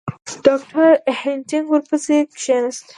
ډاکټر هینټیګ ورپسې کښېنست.